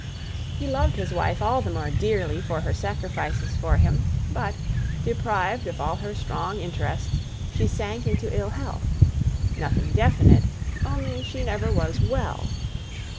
He loved his wife all the more dearly for her sacrifices for him; but, deprived of all her strong interests, she sank into ill health; nothing definite; only she never was well.